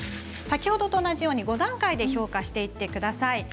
先ほどと同じように５段階で評価していってください。